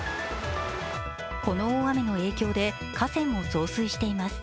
この大雨の影響で河川も増水しています。